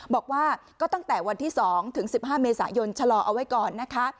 บอกว่าก็ตั้งแต่วันที่๒ถึง๑๕เมษายนชะลอเอาไว้ก่อนนะคะ